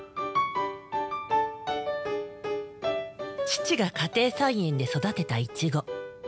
父が家庭菜園で育てたイチゴ。